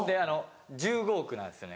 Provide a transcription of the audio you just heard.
１５億なんですよね。